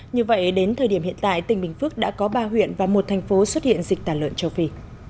như vậy đến thời điểm hiện tại tỉnh bình phước đã có ba huyện và một thành phố xuất hiện dịch tả lợn châu phi